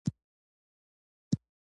چې له اکا سره خبرې وکم.